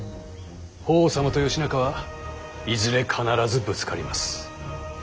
法皇様と義仲はいずれ必ずぶつかります。